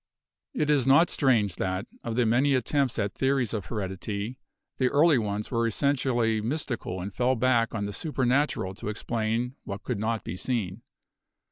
It is not strange that of the many attempts at theories of heredity the early ones were essentially mystical and fell back on the supernatural to explain what could not be seen.